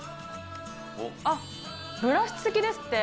あっ、ブラシ付きですって。